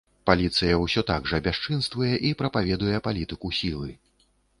Паліцыя ўсё так жа бясчынствуе і прапаведуе палітыку сілы.